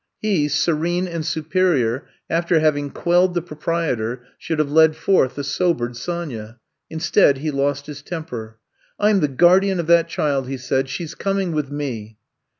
He, serene and superior, after having quelled the proprietor, should have led forth the sobered Sonya. Instead he lost his temper. '*I 'm the guardian of that child," he said. ''She 's coming with me."